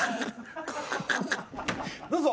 どうぞ。